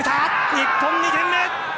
日本、２点目！